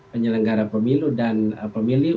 penyelenggara pemilu dan pemilih